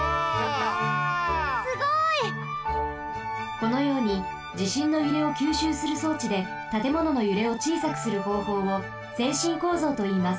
このようにじしんのゆれをきゅうしゅうするそうちでたてもののゆれをちいさくするほうほうを「制震構造」といいます。